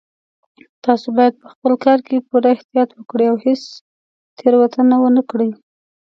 تاسو باید په خپل کار کې پوره احتیاط وکړئ او هیڅ تېروتنه ونه کړئ